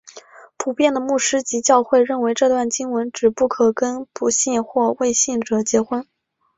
普遍的牧师及教会认为这段经文指不可跟不信或未信者结婚。